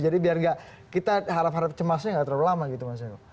jadi biar nggak kita harap harap cemasnya nggak terlalu lama gitu mas eko